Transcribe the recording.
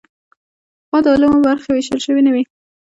پخوا د علومو برخې ویشل شوې نه وې.